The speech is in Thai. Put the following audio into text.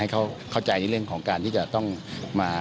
เข้าใจในเรื่องของการที่จะต้องมา